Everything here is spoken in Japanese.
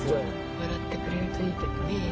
笑ってくれるといいけどね。